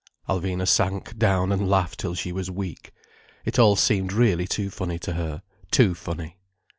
Alvina sank down and laughed till she was weak. It all seemed really too funny to her—too funny.